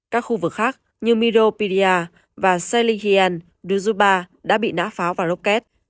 các khu vực khác như myropilya và seligian duzhuba đã bị nã pháo và rocket